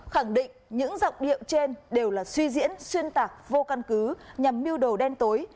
khẳng định những giọng điệu trên đều là suy diễn xuyên tạc vô căn cứ nhằm mưu đồ đen tối